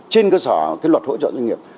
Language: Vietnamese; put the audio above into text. trên cơ sở cái luật hỗ trợ doanh nghiệp